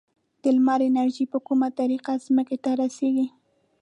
د لمر انرژي په کومه طریقه ځمکې ته رسیږي؟